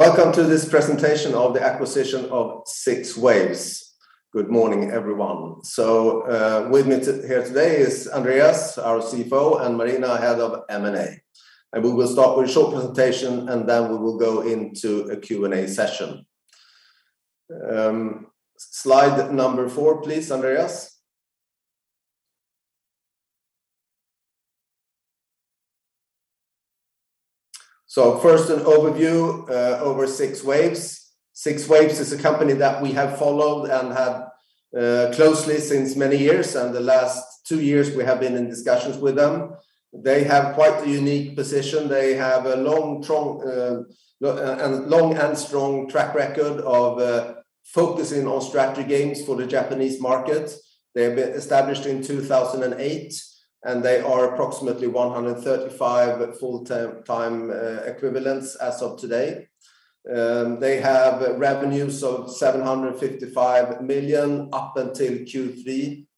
Welcome to this presentation of the Acquisition of Six Waves. Good morning, everyone. With me here today is Andreas, our CFO, and Marina, head of M&A. We will start with a short presentation, and then we will go into a Q&A session. Slide number four, please, Andreas. First, an overview of Six Waves. Six Waves is a company that we have followed closely for many years, and the last two years we have been in discussions with them. They have quite a unique position. They have a long and strong track record of focusing on strategy games for the Japanese market. They have been established in 2008, and they are approximately 135 full-time equivalents as of today. They have revenues of 755 million SEK up until Q3,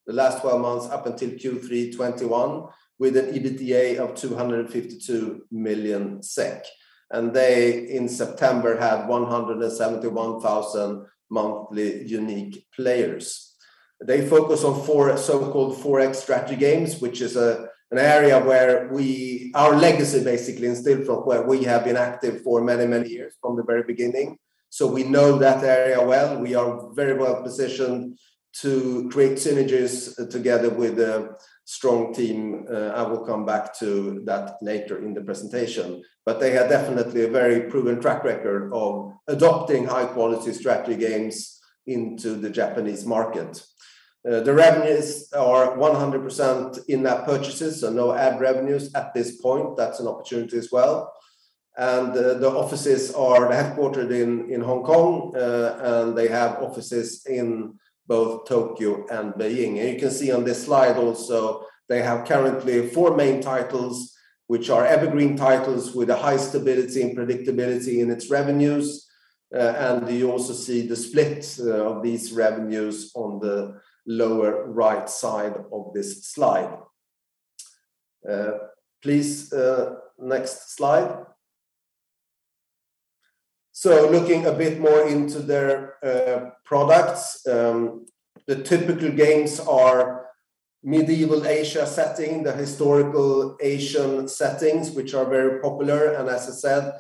the last 12 months up until Q3 2021, with an EBITDA of 252 million SEK. They in September had 171,000 monthly unique players. They focus on four so-called 4X strategy games, which is an area where our legacy basically in Stillfront where we have been active for many, many years from the very beginning. We know that area well. We are very well-positioned to create synergies together with a strong team, I will come back to that later in the presentation. They have definitely a very proven track record of adopting high-quality strategy games into the Japanese market. The revenues are 100% in-app purchases and no ad revenues at this point. That's an opportunity as well. The offices are headquartered in Hong Kong, and they have offices in both Tokyo and Beijing. You can see on this slide also, they have currently four main titles, which are evergreen titles with a high stability and predictability in its revenues. You also see the split of these revenues on the lower right side of this slide. Please, next slide. Looking a bit more into their products, the typical games are medieval Asia setting, the historical Asian settings, which are very popular, and as I said,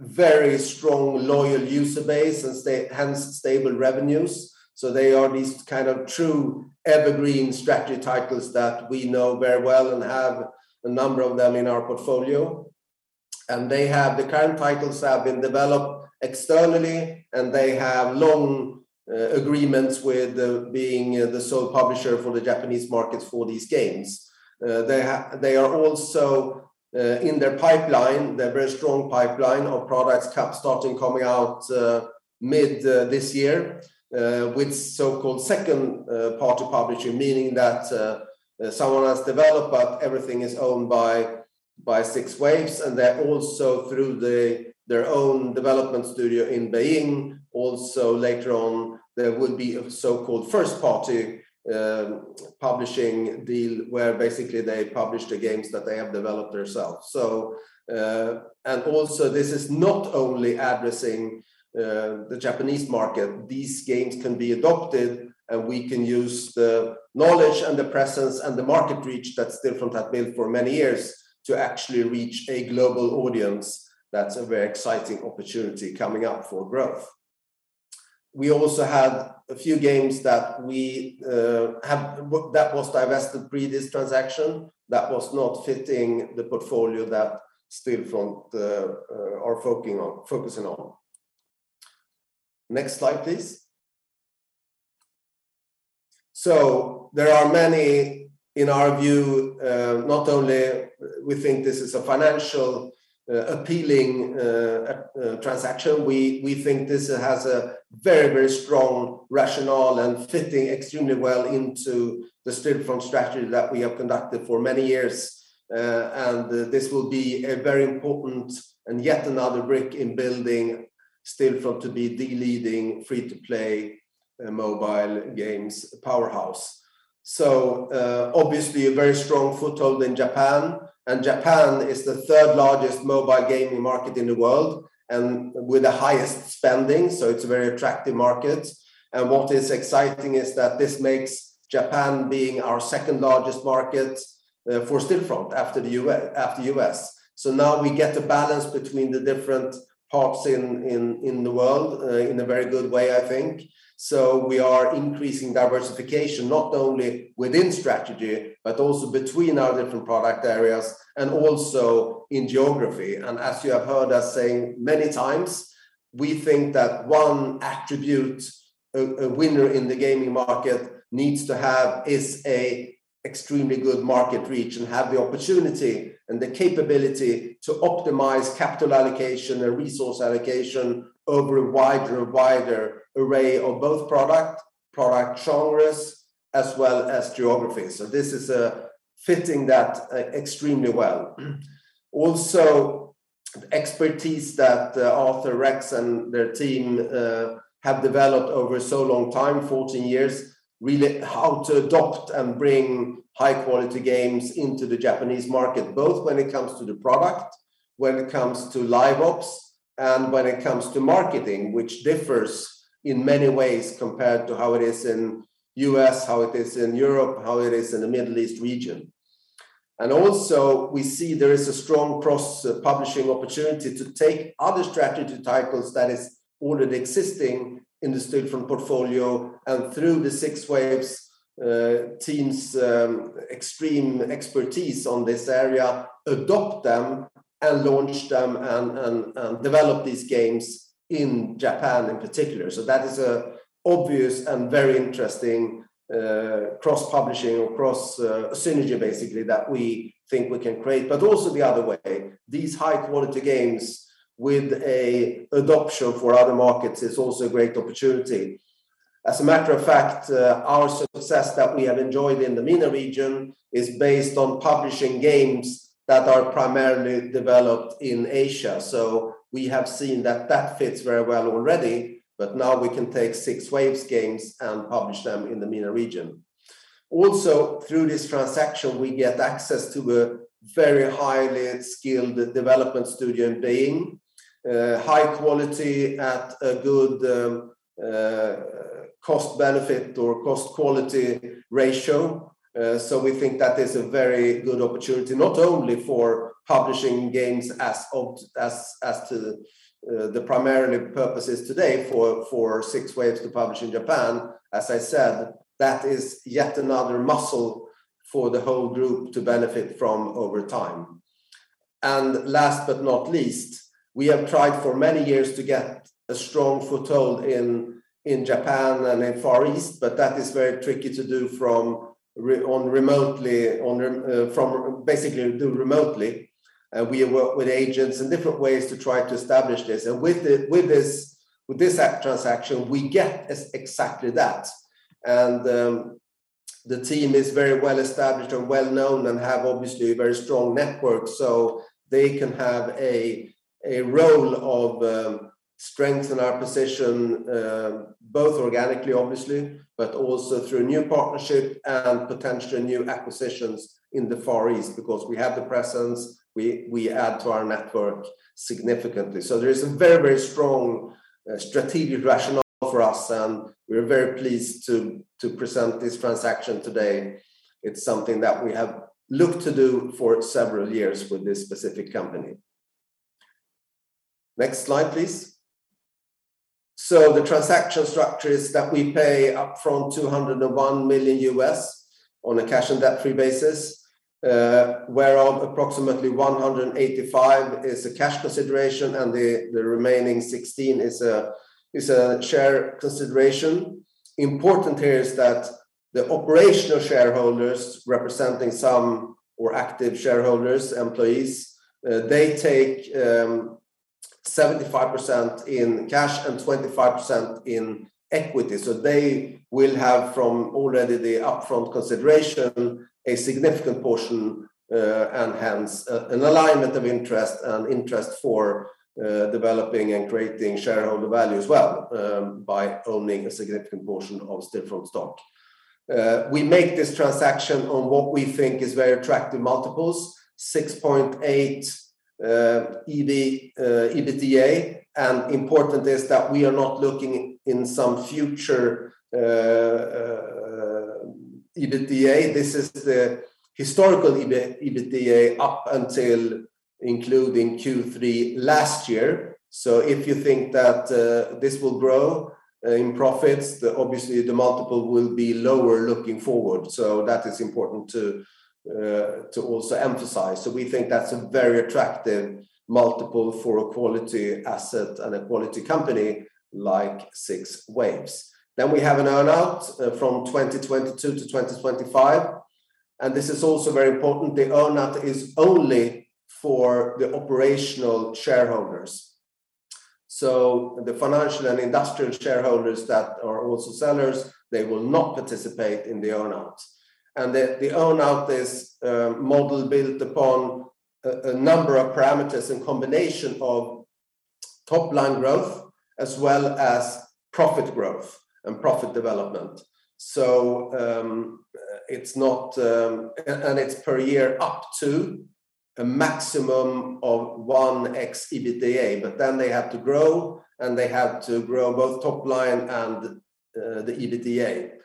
very strong, loyal user base and hence stable revenues. They are these kind of true evergreen strategy titles that we know very well and have a number of them in our portfolio. The current titles have been developed externally, and they have long agreements with being the sole publisher for the Japanese market for these games. They are also in their pipeline, their very strong pipeline of products expected to start coming out mid this year with so-called second-party publishing, meaning that someone has developed, but everything is owned by Six Waves. They're also through their own development studio in Beijing; later on, there will be a so-called first-party publishing deal where basically they publish the games that they have developed themselves. This is not only addressing the Japanese market. These games can be adopted, and we can use the knowledge and the presence and the market reach that Stillfront have built for many years to actually reach a global audience that's a very exciting opportunity coming up for growth. We also had a few games that was divested pre this transaction that was not fitting the portfolio that Stillfront are focusing on. Next slide, please. There are many in our view, not only we think this is a financially appealing transaction, we think this has a very, very strong rationale and fitting extremely well into the Stillfront strategy that we have conducted for many years. This will be a very important and yet another brick in building Stillfront to be the leading free-to-play mobile games powerhouse. Obviously a very strong foothold in Japan, and Japan is the third largest mobile gaming market in the world and with the highest spending, so it's a very attractive market. What is exciting is that this makes Japan being our second largest market, for Stillfront after the U.S. Now we get a balance between the different parts in the world, in a very good way, I think. We are increasing diversification, not only within strategy, but also between our different product areas and also in geography. As you have heard us saying many times, we think that one attribute a winner in the gaming market needs to have is extremely good market reach and have the opportunity and the capability to optimize capital allocation and resource allocation over a wider and wider array of both product genres as well as geography. This is fitting that extremely well. Also, expertise that Rex Ng and their team have developed over such a long time, 14 years, really how to adapt and bring high-quality games into the Japanese market, both when it comes to the product. When it comes to live ops and when it comes to marketing, which differs in many ways compared to how it is in U.S. how it is in Europe, how it is in the Middle East region. We also see there is a strong cross-publishing opportunity to take other strategy titles that is already existing in the Stillfront portfolio and through the Six Waves team's extensive expertise on this area, adopt them and launch them and develop these games in Japan in particular. That is an obvious and very interesting cross-publishing or cross synergy basically that we think we can create. Also the other way, these high-quality games with a adaptation for other markets is also a great opportunity. As a matter of fact, our success that we have enjoyed in the MENA region is based on publishing games that are primarily developed in Asia. We have seen that that fits very well already, but now we can take Six Waves games and publish them in the MENA region. Also, through this transaction, we get access to a very highly skilled development studio in Beijing, high quality at a good cost-benefit or cost-quality ratio. We think that is a very good opportunity not only for publishing games as of today for the primary purposes for Six Waves to publish in Japan. As I said, that is yet another muscle for the whole group to benefit from over time. Last but not least, we have tried for many years to get a strong foothold in Japan and in Far East, but that is very tricky to do from basically doing remotely. We work with agents in different ways to try to establish this. With this transaction, we get exactly that. The team is very well established and well known and have obviously a very strong network. They can have a role of strengthen our position both organically obviously, but also through new partnership and potential new acquisitions in the Far East because we have the presence, we add to our network significantly. There is a very, very strong strategic rationale for us, and we are very pleased to present this transaction today. It's something that we have looked to do for several years with this specific company. Next slide, please. The transaction structure is that we pay upfront $201 million on a cash and debt-free basis, wherein approximately $185 million is a cash consideration and the remaining 16 is a share consideration. Important here is that the operational shareholders representing some of our active shareholders, employees, they take 75% in cash and 25% in equity. They will have from already the upfront consideration a significant portion, and hence, an alignment of interest for developing and creating shareholder value as well, by owning a significant portion of Stillfront stock. We make this transaction on what we think is very attractive multiples, 6.8x EBITDA, and important is that we are not looking at some future EBITDA. This is the historical EBITDA up until including Q3 last year. If you think that this will grow in profits, then obviously the multiple will be lower looking forward. That is important to also emphasize. We think that's a very attractive multiple for a quality asset and a quality company like Six Waves. We have an earn-out from 2022 to 2025, and this is also very important. The earn-out is only for the operational shareholders. The financial and industrial shareholders that are also sellers, they will not participate in the earn-out. The earn-out is model built upon a number of parameters in combination of top-line growth as well as profit growth and profit development. It's per year up to a maximum of 1x EBITDA, but then they have to grow both top line and the EBITDA.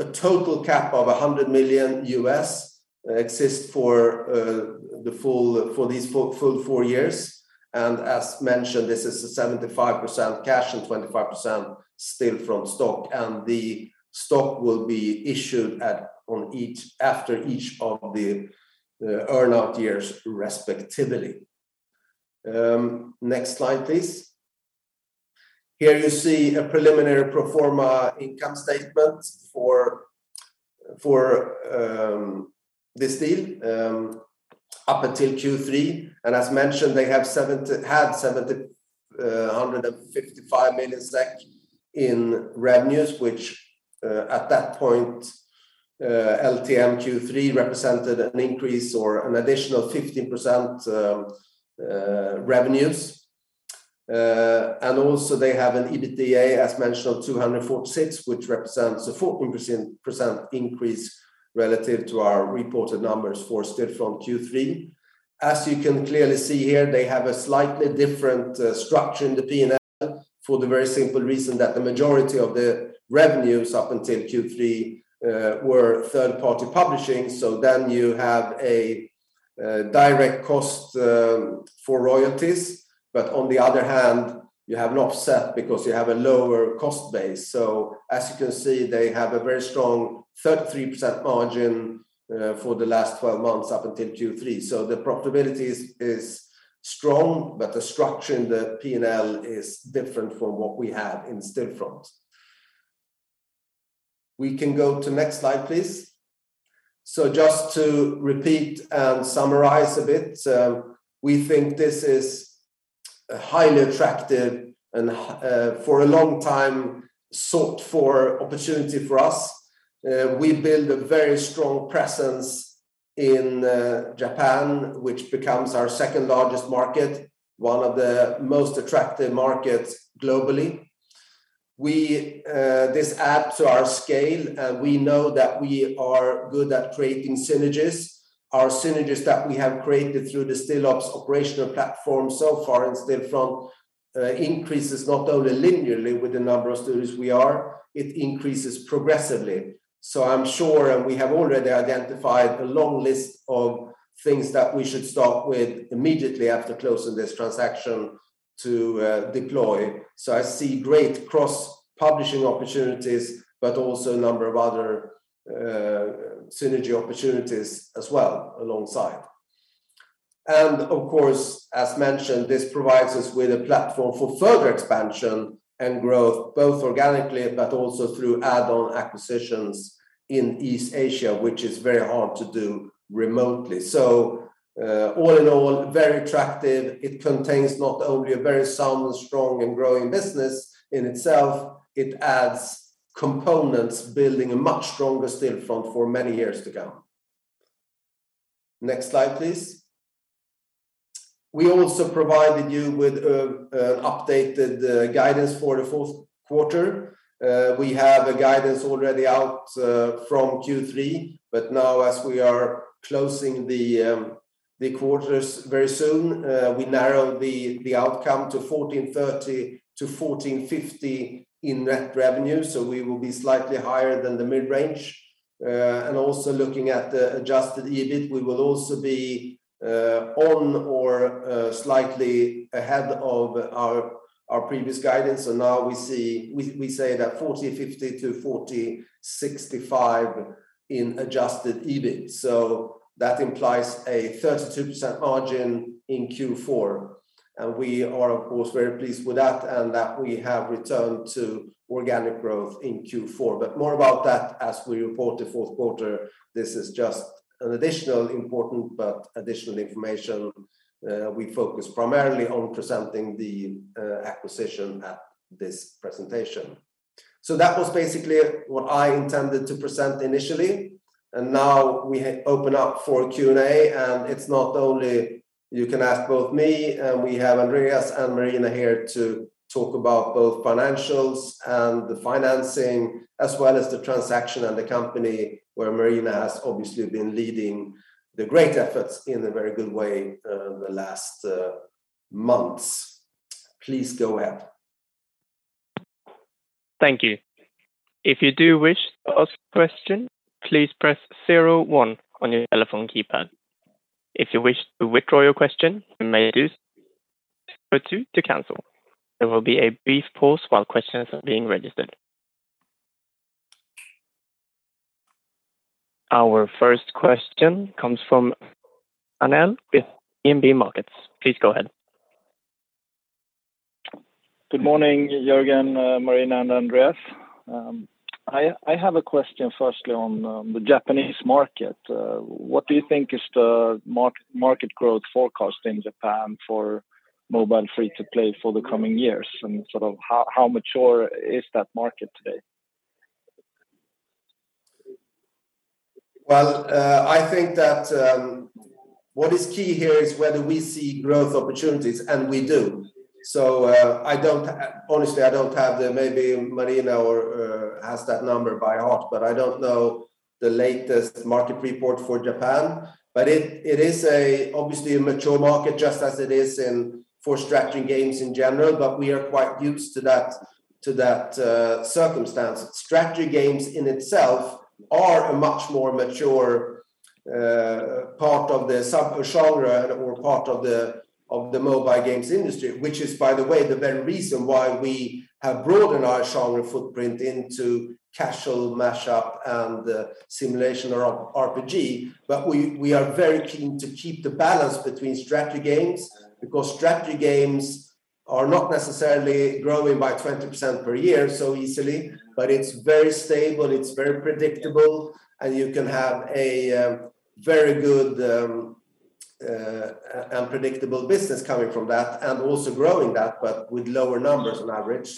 A total cap of $100 million exists for these full four years. As mentioned, this is a 75% cash and 25% Stillfront stock, and the stock will be issued after each of the earn-out years respectively. Next slide, please. Here you see a preliminary pro forma income statement for this deal up until Q3. As mentioned, they had 755 million SEK in revenues, which at that point LTM Q3 represented an increase or an additional 15% revenues. They also have an EBITDA, as mentioned, of 246 million, which represents a 14% increase relative to our reported numbers for Stillfront Q3. As you can clearly see here, they have a slightly different structure in the P&L for the very simple reason that the majority of the revenues up until Q3 were third-party publishing. You have a direct cost for royalties. On the other hand, you have an offset because you have a lower cost base. As you can see, they have a very strong 33% margin for the last 12 months up until Q3. The profitability is strong, but the structure in the P&L is different from what we have in Stillfront. We can go to next slide, please. Just to repeat and summarize a bit, we think this is a highly attractive and for a long time sought-for opportunity for us. We build a very strong presence in Japan, which becomes our second largest market, one of the most attractive markets globally. This adds to our scale, and we know that we are good at creating synergies. Our synergies that we have created through the Stillops operational platform so far in Stillfront increases not only linearly with the number of studios we are, it increases progressively. I'm sure, and we have already identified a long list of things that we should start with immediately after closing this transaction to deploy. I see great cross-publishing opportunities, but also a number of other synergy opportunities as well alongside. Of course, as mentioned, this provides us with a platform for further expansion and growth, both organically but also through add-on acquisitions in East Asia, which is very hard to do remotely. All in all, very attractive. It contains not only a very sound and strong and growing business in itself, it adds components building a much stronger Stillfront for many years to come. Next slide, please. We also provided you with an updated guidance for the fourth quarter. We have a guidance already out from Q3, but now as we are closing the quarters very soon, we narrowed the outcome to 1,430-1,450 in net revenue, so we will be slightly higher than the mid-range. Also looking at the adjusted EBIT, we will also be on or slightly ahead of our previous guidance. Now we say that 4,050-4,065 million in adjusted EBIT. That implies a 32% margin in Q4. We are of course very pleased with that and that we have returned to organic growth in Q4. More about that as we report the fourth quarter. This is just an additional important information. We focus primarily on presenting the acquisition at this presentation. That was basically what I intended to present initially. Now we open up for Q&A, and it's not only can you ask me, but we have Andreas and Marina here to talk about both financials and the financing, as well as the transaction and the company where Marina has obviously been leading the great efforts in a very good way, the last months. Please go ahead. Our first question comes from Martin Arnell with DNB Markets. Please go ahead. Good morning, Jörgen, Marina, and Andreas. I have a question firstly on the Japanese market. What do you think is the market growth forecast in Japan for mobile free to play for the coming years, and sort of how mature is that market today? Well, I think that what is key here is whether we see growth opportunities, and we do. I don't honestly have the number by heart, but maybe Marina or has that number by heart. I don't know the latest market report for Japan. It is obviously a mature market just as it is for strategy games in general, but we are quite used to that circumstance. Strategy games in itself are a much more mature part of the subgenre or part of the mobile games industry, which is, by the way, the very reason why we have broadened our genre footprint into casual, mashup, and simulation or RPG. We are very keen to keep the balance between strategy games because strategy games are not necessarily growing by 20% per year so easily. It's very stable, it's very predictable, and you can have a very good and predictable business coming from that, and also growing that but with lower numbers on average.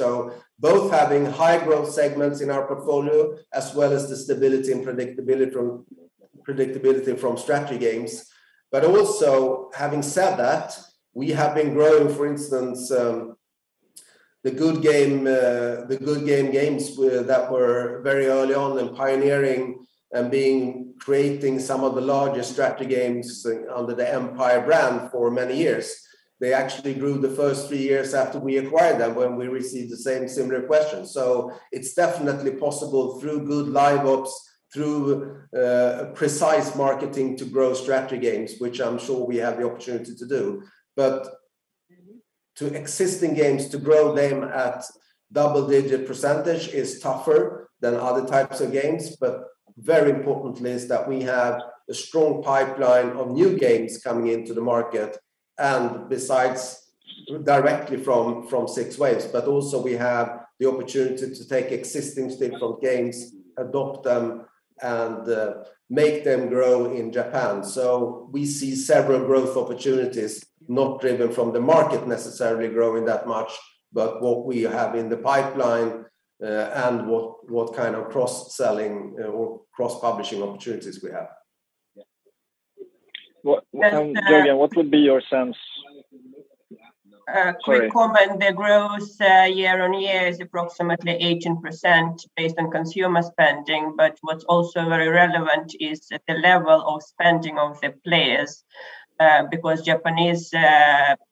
Both having high growth segments in our portfolio as well as the stability and predictability from strategy games. Also having said that, we have been growing, for instance, the Goodgame games that were very early on in pioneering and creating some of the largest strategy games under the EMPIRE brand for many years. They actually grew the first three years after we acquired them when we received the same similar question. It's definitely possible through good live ops, through precise marketing to grow strategy games, which I'm sure we have the opportunity to do. To existing games, to grow them at double-digit percentage is tougher than other types of games. Very importantly is that we have a strong pipeline of new games coming into the market, and besides directly from Six Waves, but also we have the opportunity to take existing Stillfront games, adopt them, and make them grow in Japan. We see several growth opportunities not driven from the market necessarily growing that much, but what we have in the pipeline, and what kind of cross-selling or cross-publishing opportunities we have. What- Then, uh- Jörgen, what would be your sense? Quick comment. The growth year-on-year is approximately 18% based on consumer spending. What's also very relevant is the level of spending of the players, because Japanese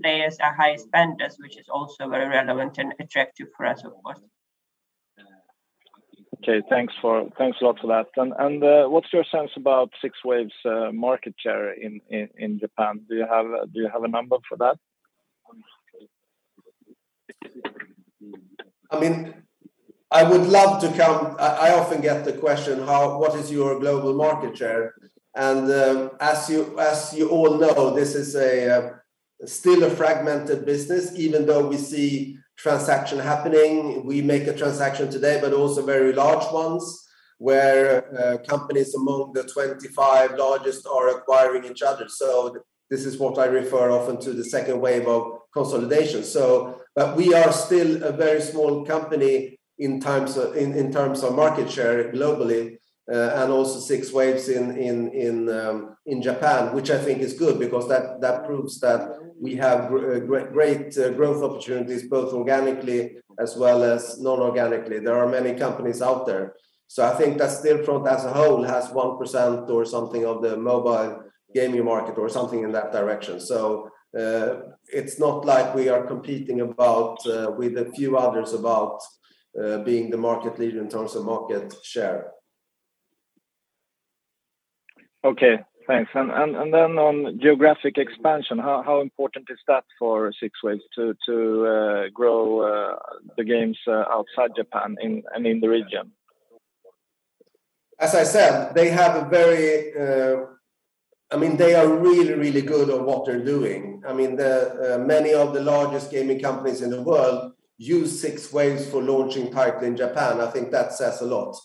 players are high spenders, which is also very relevant and attractive for us, of course. Okay, thanks a lot for that. What's your sense about Six Waves market share in Japan? Do you have a number for that? I often get the question what is your global market share? As you all know, this is still a fragmented business, even though we see transactions happening. We make a transaction today, but also very large ones where companies among the 25 largest are acquiring each other. This is what I refer often to the second wave of consolidation. But we are still a very small company in terms of market share globally, and also Six Waves in Japan, which I think is good because that proves that we have great growth opportunities both organically as well as non-organically. There are many companies out there. I think that Stillfront as a whole has 1% or something of the mobile gaming market or something in that direction. It's not like we are competing about, with a few others about, being the market leader in terms of market share. Okay, thanks. On geographic expansion, how important is that for Six Waves to grow the games outside Japan and in the region? As I said, they have a very, I mean, they are really, really good at what they're doing. I mean, many of the largest gaming companies in the world use Six Waves for launching titles in Japan. I think that says a lot.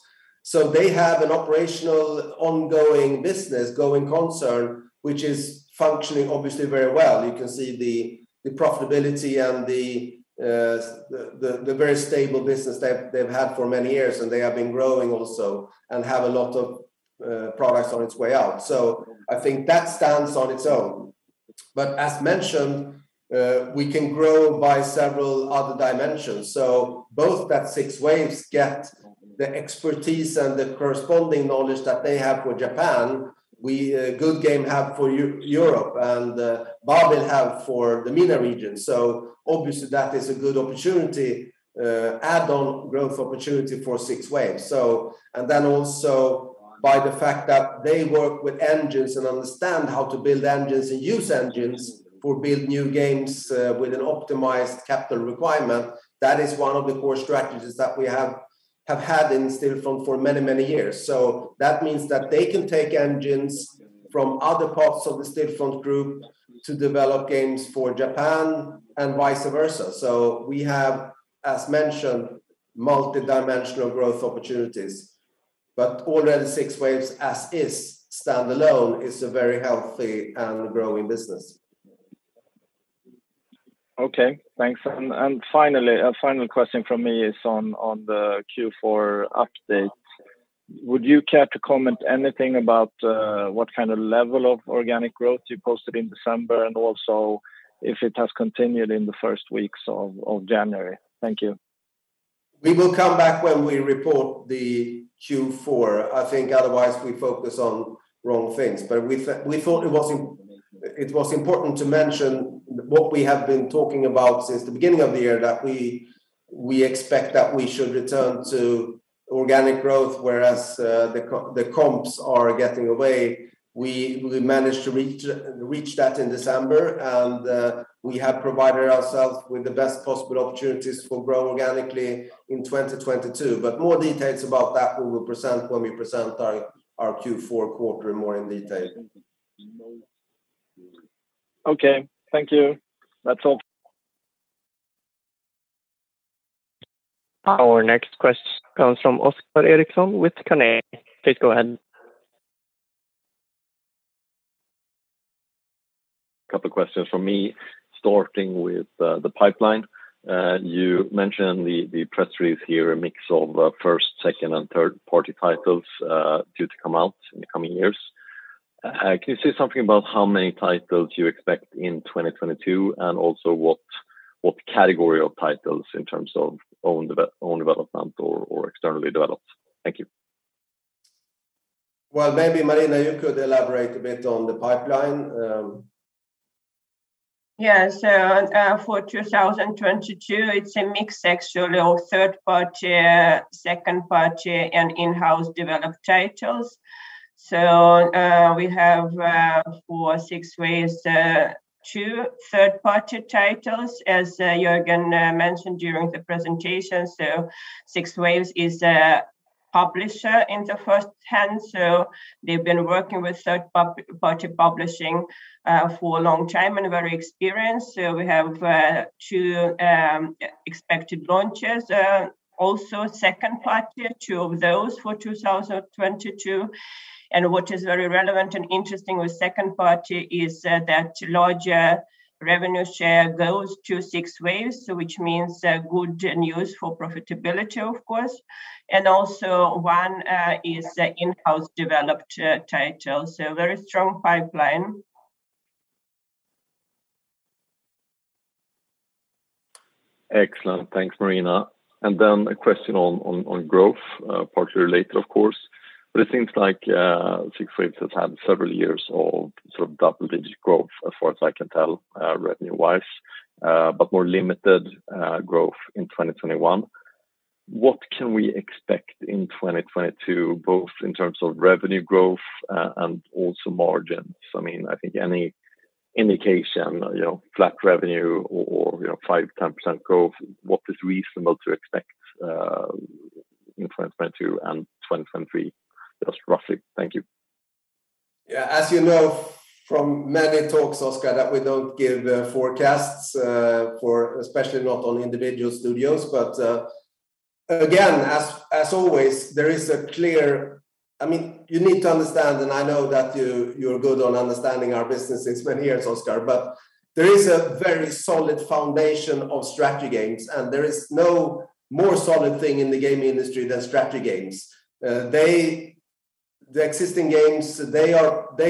They have an operational ongoing business going concern, which is functioning obviously very well. You can see the profitability and the very stable business that they've had for many years, and they have been growing also and have a lot of products on its way out. I think that stands on its own. As mentioned, we can grow by several other dimensions. Both that Six Waves get the expertise and the corresponding knowledge that they have for Japan, we Goodgame have for Europe, and Babel have for the MENA region. Obviously that is a good add-on growth opportunity for Six Waves. By the fact that they work with engines and understand how to build engines and use engines to build new games with an optimized capital requirement, that is one of the core strategies that we have had in Stillfront for many, many years. That means that they can take engines from other parts of the Stillfront Group to develop games for Japan and vice versa. We have, as mentioned, multidimensional growth opportunities. Already Six Waves as is standalone is a very healthy and growing business. Okay, thanks. Finally, a final question from me is on the Q4 update. Would you care to comment anything about what kind of level of organic growth you posted in December, and also if it has continued in the first weeks of January? Thank you. We will come back when we report the Q4. I think otherwise we focus on wrong things. We thought it was important to mention what we have been talking about since the beginning of the year, that we expect that we should return to organic growth, whereas the comps are getting away. We managed to reach that in December, and we have provided ourselves with the best possible opportunities to grow organically in 2022. More details about that we will present when we present our Q4 quarter more in detail. Okay, thank you. That's all. Our next question comes from Oscar Erixon with Carnegie. Please go ahead. couple of questions from me starting with the pipeline. You mentioned the press release here, a mix of first-party, second-party, and third-party titles due to come out in the coming years. Can you say something about how many titles you expect in 2022, and also what category of titles in terms of own development or externally developed? Thank you. Well, maybe Marina, you could elaborate a bit on the pipeline. Yes. For 2022, it's a mixed selection of third-party, second-party, and in-house developed titles. We have, for Six Waves, two third-party titles as Jörgen mentioned during the presentation. Six Waves is a publisher in the top ten, so they've been working with third-party publishing for a long time and very experienced. We have two expected launches. Also second-party, two of those for 2022. What is very relevant and interesting with second-party is that larger revenue share goes to Six Waves, which means good news for profitability of course. Also one is in-house developed title, so very strong pipeline. Excellent. Thanks, Marina. A question on growth, partially related of course, but it seems like Six Waves has had several years of sort of double-digit growth as far as I can tell, revenue-wise, but more limited growth in 2021. What can we expect in 2022, both in terms of revenue growth and also margins? I mean, I think any indication, you know, flat revenue or you know, 5%-10% growth, what is reasonable to expect in 2022 and 2023, just roughly? Thank you. Yeah. As you know from many talks, Oscar, that we don't give forecasts for, especially not on individual studios. Again, as always, I mean, you need to understand, and I know that you're good on understanding our business. It's been years, Oscar. There is a very solid foundation of strategy games, and there is no more solid thing in the gaming industry than strategy games. The existing games they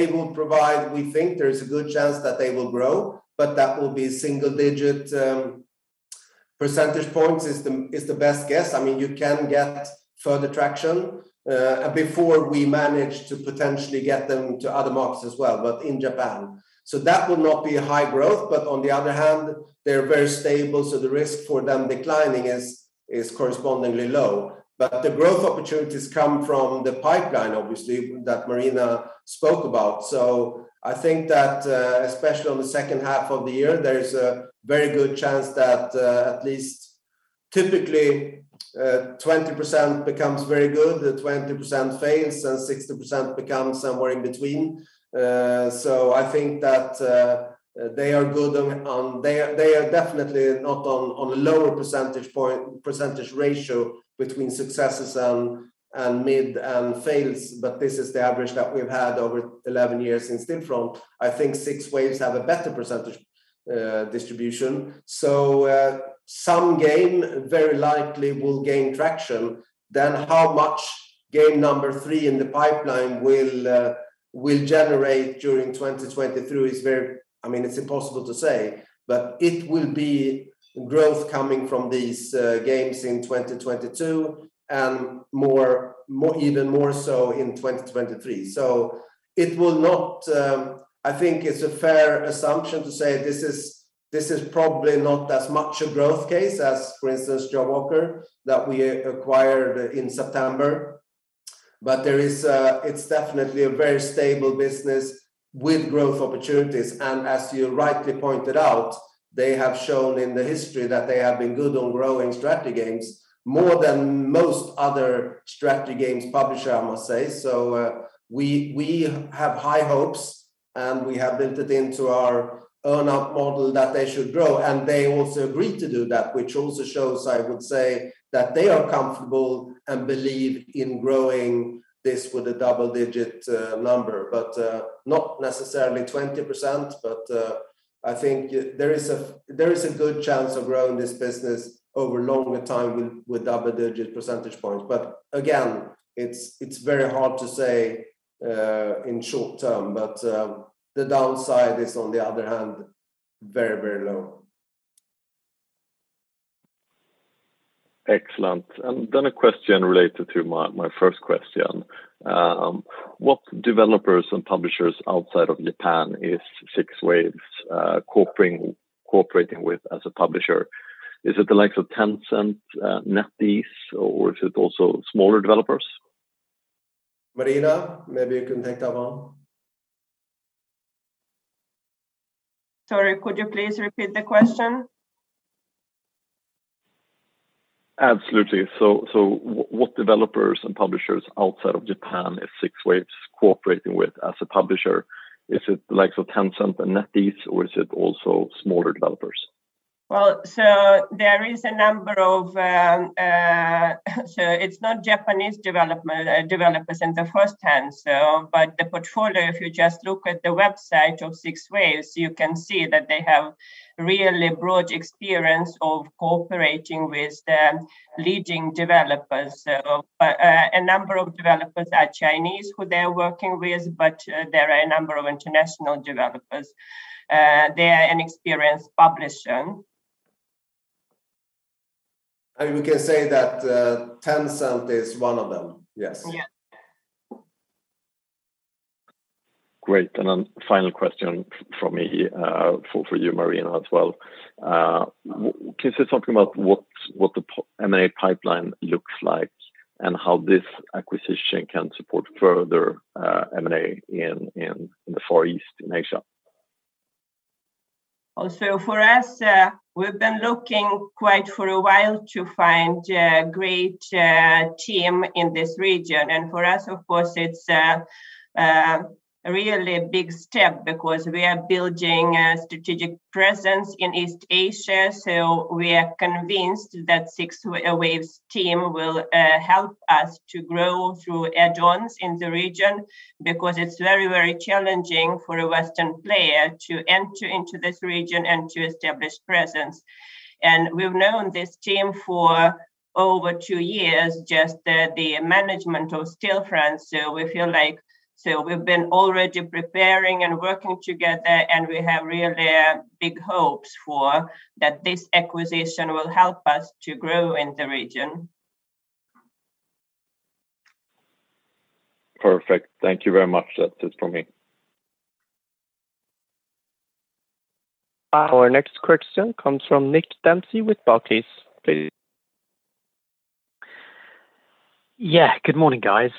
will provide, we think there is a good chance that they will grow, but that will be single-digit percentage points. That is the best guess. I mean, you can get further traction before we manage to potentially get them to other markets as well, but in Japan. That will not be a high growth, but on the other hand, they're very stable, so the risk for them declining is correspondingly low. The growth opportunities come from the pipeline obviously that Marina spoke about. I think that especially on the second half of the year there is a very good chance that at least typically 20% becomes very good, 20% fails, and 60% becomes somewhere in between. I think that they are good on they are definitely not on a lower percentage ratio between successes and mid and fails, but this is the average that we've had over 11 years since Stillfront. I think Six Waves have a better percentage distribution. Some games very likely will gain traction. How much game number three in the pipeline will generate during 2022 is very, I mean, it's impossible to say, but it will be growth coming from these games in 2022 and more, even more so in 2023. It will not, I think it's a fair assumption to say this is this is probably not as much a growth case as, for instance, Jawaker that we acquired in September. But there is, it's definitely a very stable business with growth opportunities, and as you rightly pointed out, they have shown in the history that they have been good on growing strategy games more than most other strategy games publisher I must say. We have high hopes, and we have built it into our earn-out model that they should grow, and they also agreed to do that, which also shows, I would say, that they are comfortable and believe in growing this with a double-digit number, but not necessarily 20%. I think there is a good chance of growing this business over longer time with double-digit percentage points. Again, it's very hard to say in short term, but the downside is, on the other hand, very low. Excellent. A question related to my first question. What developers and publishers outside of Japan is Six Waves cooperating with as a publisher? Is it the likes of Tencent, NetEase, or is it also smaller developers? Marina, maybe you can take that one. Sorry, could you please repeat the question? Absolutely. What developers and publishers outside of Japan is Six Waves cooperating with as a publisher? Is it the likes of Tencent and NetEase, or is it also smaller developers? There is a number of. It's not Japanese developers in the first hand, but the portfolio, if you just look at the website of Six Waves, you can see that they have really broad experience of cooperating with the leading developers. A number of developers are Chinese who they're working with, but there are a number of international developers. They are an experienced publisher. We can say that, Tencent is one of them. Yes. Yeah. Great. Then final question from me, for you, Marina, as well. Can you say something about what the M&A pipeline looks like and how this acquisition can support further M&A in the Far East in Asia? Also, for us, we've been looking for quite a while to find a great team in this region. For us, of course, it's really a big step because we are building a strategic presence in East Asia, so we are convinced that Six Waves team will help us to grow through add-ons in the region because it's very, very challenging for a Western player to enter into this region and to establish presence. We've known this team for over two years, just the management of Six Waves. We've been already preparing and working together, and we have really big hopes that this acquisition will help us to grow in the region. Perfect. Thank you very much. That's it from me. Our next question comes from Nick Dempsey with Barclays, please. Yeah. Good morning, guys.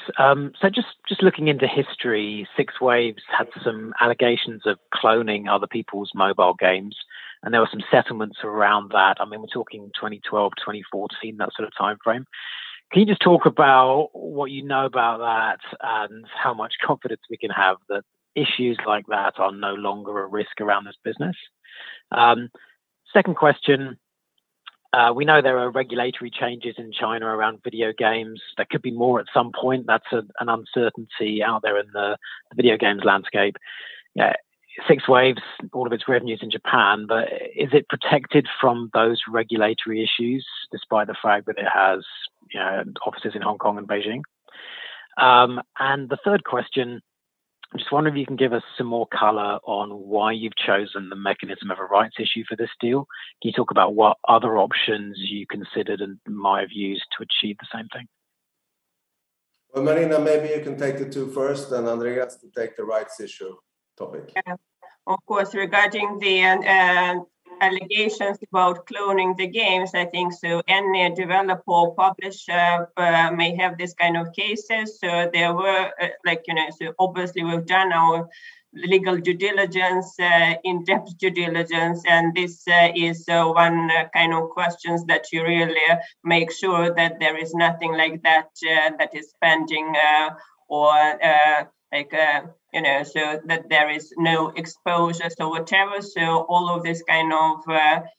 Just looking into history, Six Waves had some allegations of cloning other people's mobile games, and there were some settlements around that. I mean, we're talking 2012, 2014, that sort of timeframe. Can you just talk about what you know about that and how much confidence we can have that issues like that are no longer a risk around this business? Second question, we know there are regulatory changes in China around video games. There could be more at some point. That's an uncertainty out there in the video games landscape. Six Waves, all of its revenue is in Japan, but is it protected from those regulatory issues despite the fact that it has, you know, offices in Hong Kong and Beijing? the third question, I'm just wondering if you can give us some more color on why you've chosen the mechanism of a rights issue for this deal. Can you talk about what other options you considered and might have used to achieve the same thing? Well, Marina, maybe you can take the two first, then Andreas can take the rights issue topic. Of course, regarding the allegations about cloning the games, I think any developer or publisher may have this kind of cases. There were, like, you know, obviously we've done our legal due diligence, in-depth due diligence, and this is one kind of questions that you really make sure that there is nothing like that that is pending, or, like, you know, so that there is no exposure. Whatever, all of this kind of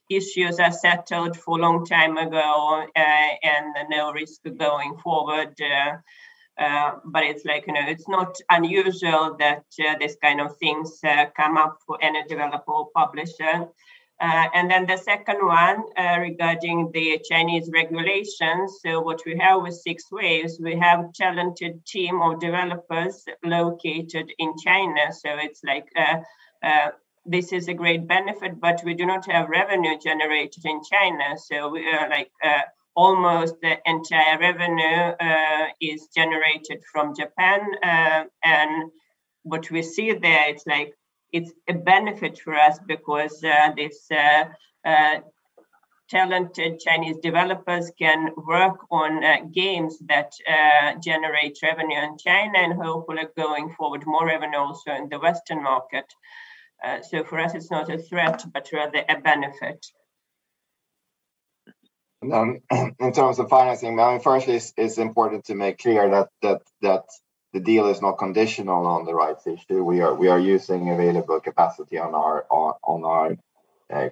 issues are settled for a long time ago, and no risk going forward. It's like, you know, it's not unusual that this kind of things come up for any developer or publisher. The second one, regarding the Chinese regulations, what we have with Six Waves, we have talented team of developers located in China. It's like, this is a great benefit, but we do not have revenue generated in China. We are like, almost the entire revenue is generated from Japan. What we see there, it's like it's a benefit for us because talented Chinese developers can work on games that generate revenue in China and hopefully going forward, more revenue also in the Western market. For us, it's not a threat, but rather a benefit. In terms of financing, I mean, firstly, it's important to make clear that the deal is not conditional on the rights issue. We are using available capacity on our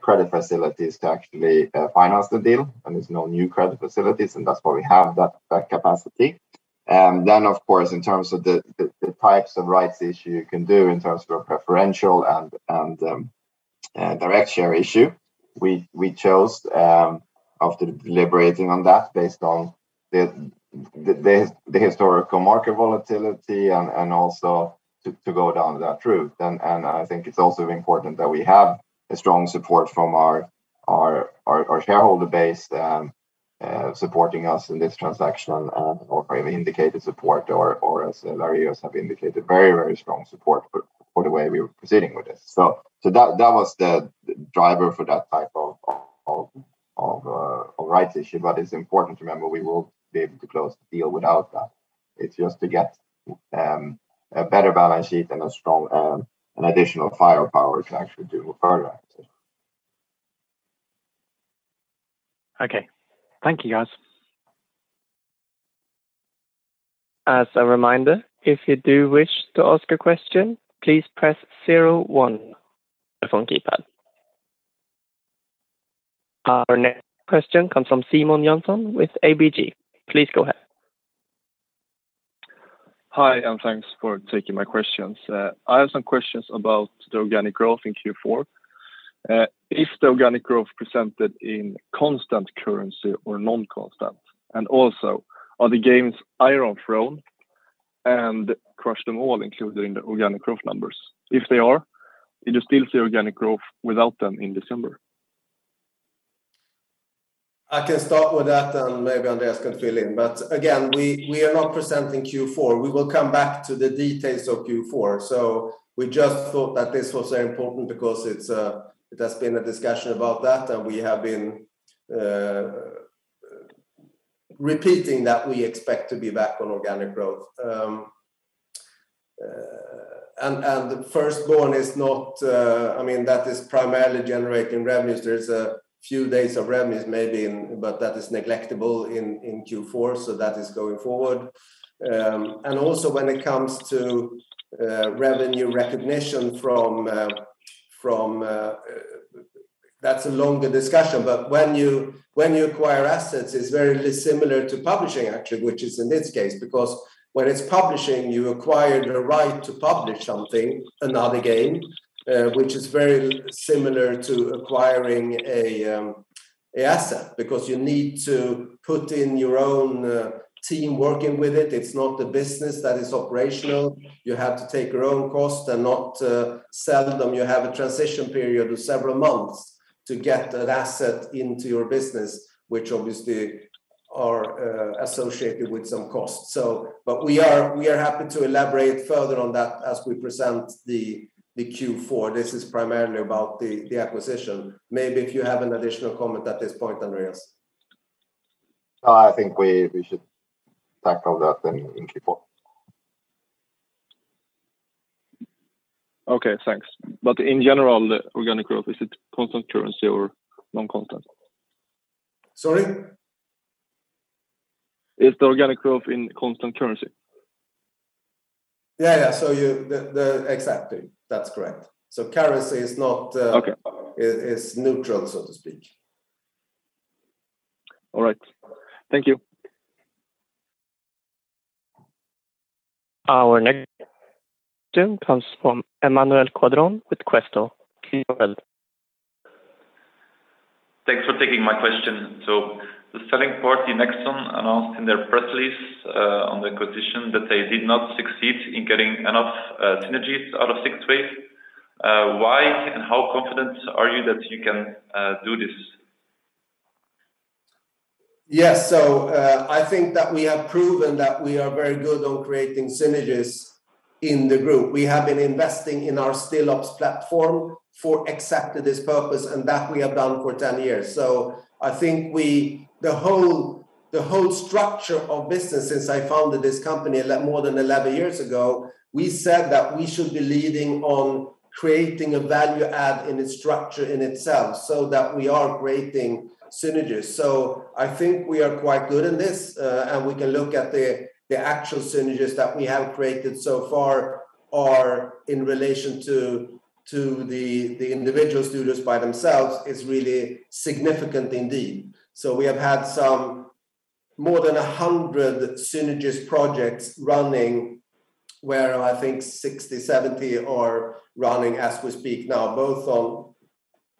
credit facilities to actually finance the deal, and there's no new credit facilities, and that's why we have that capacity. Of course, in terms of the types of rights issue you can do in terms of a preferential and direct share issue, we chose after deliberating on that based on the historical market volatility and also to go down that route. I think it's also important that we have a strong support from our shareholder base supporting us in this transaction or indicated support or as Laureus have indicated very strong support for the way we are proceeding with this. That was the driver for that type of rights issue. It's important to remember we will be able to close the deal without that. It's just to get a better balance sheet and a strong additional firepower to actually do further acquisitions. Okay. Thank you, guys. As a reminder, if you do wish to ask a question, please press zero one on the phone keypad. Our next question comes from Simon Jönsson with ABG Sundal Collier. Please go ahead. Hi, thanks for taking my questions. I have some questions about the organic growth in Q4. Is the organic growth presented in constant currency or non-constant? Also, are the games Iron Throne and Crush Them All included in the organic growth numbers? If they are, is there still the organic growth without them in December? I can start with that, and maybe Andreas can fill in. Again, we are not presenting Q4. We will come back to the details of Q4. We just thought that this was important because it's, it has been a discussion about that, and we have been repeating that we expect to be back on organic growth. The Firstborn is not. I mean, that is primarily generating revenues. There's a few days of revenues maybe in, but that is neglectable in Q4, that is going forward. Also when it comes to revenue recognition from, that's a longer discussion. When you acquire assets, it's very similar to publishing actually, which is in this case. When it's publishing, you acquire the right to publish something, another game, which is very similar to acquiring a asset because you need to put in your own team working with it. It's not a business that is operational. You have to take your own cost and not sell them. You have a transition period of several months to get that asset into your business, which obviously are associated with some cost. We are happy to elaborate further on that as we present the Q4. This is primarily about the acquisition. Maybe if you have an additional comment at this point, Andreas. I think we should tackle that in Q4. Okay, thanks. In general, the organic growth, is it constant currency or non-constant? Sorry? Is the organic growth in constant currency? Yeah, yeah. Exactly. That's correct. Currency is not. Okay is neutral, so to speak. All right. Thank you. Our next comes from Emmanuel Caudron with Quaestor. Please go ahead. Thanks for taking my question. The selling party, Nexon, announced in their press release on the acquisition that they did not succeed in getting enough synergies out of Six Waves. Why and how confident are you that you can do this? Yes. I think that we have proven that we are very good on creating synergies in the group. We have been investing in our Stillops platform for exactly this purpose, and that we have done for 10 years. I think the whole structure of business since I founded this company more than 11 years ago, we said that we should be leading on creating a value add in its structure in itself so that we are creating synergies. I think we are quite good in this, and we can look at the actual synergies that we have created so far are in relation to the individual studios by themselves is really significant indeed. We have had some more than 100 synergies projects running, where I think 60, 70 are running as we speak now, both on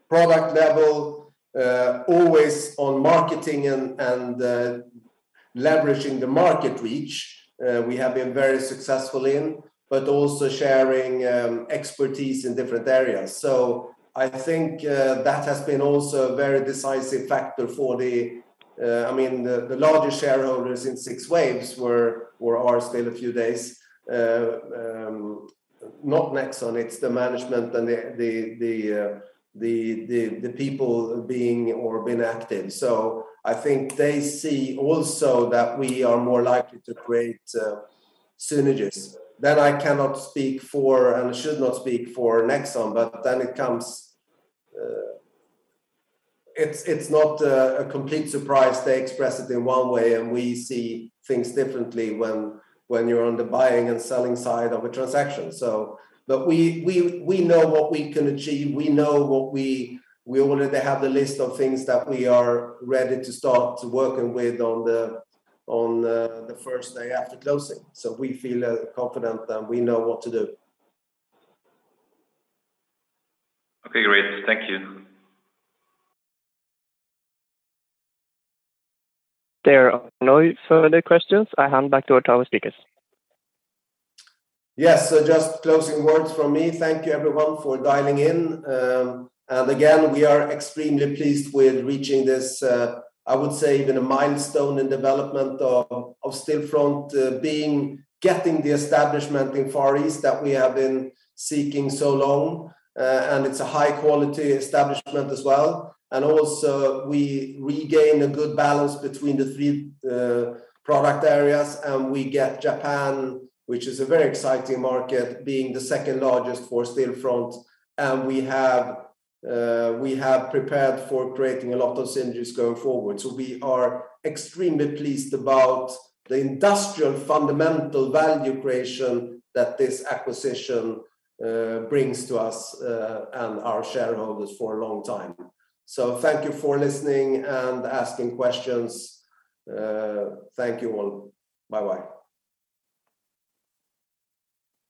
product level, always on marketing and leveraging the market reach we have been very successful in, but also sharing expertise in different areas. I think that has been also a very decisive factor for the. I mean, the largest shareholders in Six Waves are still a few, not Nexon, it's the management and the people being or been active. I think they see also that we are more likely to create synergies. That I cannot speak for and should not speak for Nexon. It's not a complete surprise they express it in one way and we see things differently when you're on the buying and selling side of a transaction. We know what we can achieve. We already have the list of things that we are ready to start working with on the first day after closing. We feel confident that we know what to do. Okay, great. Thank you. There are no further questions. I hand back to our speakers. Yes. Just closing words from me. Thank you everyone for dialing in. Again, we are extremely pleased with reaching this, I would say even a milestone in development of Stillfront, getting the establishment in Far East that we have been seeking so long. It's a high quality establishment as well. Also we regain a good balance between the three product areas, and we get Japan, which is a very exciting market, being the second-largest for Stillfront. We have prepared for creating a lot of synergies going forward. We are extremely pleased about the industrial fundamental value creation that this acquisition brings to us, and our shareholders for a long time. Thank you for listening and asking questions. Thank you all. Bye-bye.